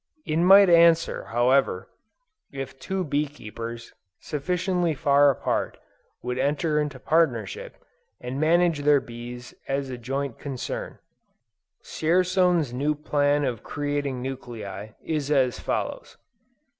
It might answer, however, if two bee keepers, sufficiently far apart, would enter into partnership, and manage their bees as a joint concern. Dzierzon's new plan of creating nuclei, is as follows.